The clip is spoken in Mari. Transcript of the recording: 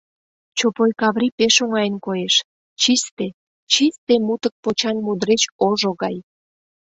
— Чопой Каври пеш оҥайын коеш: чисте... чисте мутык почан мудреч ожо гай...